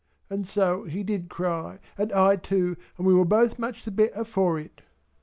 And so he did cry and I too and we were both much the better for it.